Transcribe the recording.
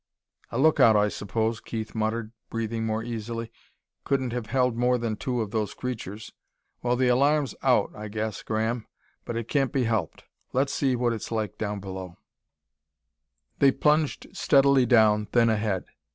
"A lookout, I suppose," Keith muttered, breathing more easily. "Couldn't have held more than two of those creatures.... Well, the alarm's out, I guess, Graham, but it can't be helped. Let's see what it's like down below." They plunged steadily down, then ahead.